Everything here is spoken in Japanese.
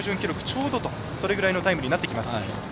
ちょうどそれぐらいのタイムになります。